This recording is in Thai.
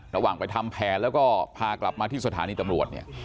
ระหว่างไปทำแผนแล้วก็พากลับมาที่สถานีตำรวจเนี่ย